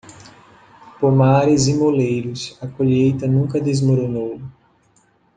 Pomares e moleiros, a colheita nunca desmoronou.